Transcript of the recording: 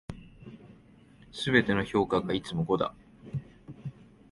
全ての評価がいつも五だ。